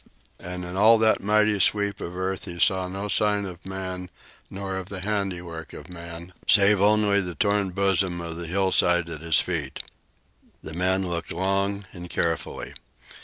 And in all that mighty sweep of earth he saw no sign of man nor of the handiwork of man save only the torn bosom of the hillside at his feet. The man looked long and carefully.